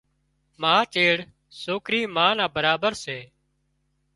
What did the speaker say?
ما چيڙ سوڪرِي ما نا برابر سي